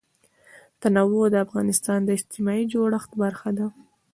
تنوع د افغانستان د اجتماعي جوړښت برخه ده.